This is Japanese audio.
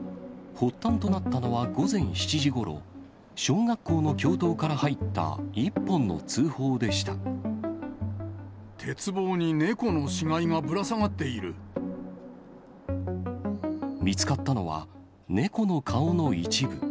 発端となったのは午前７時ごろ、小学校の教頭から入った一本の通鉄棒に猫の死骸がぶら下がっ見つかったのは、猫の顔の一部。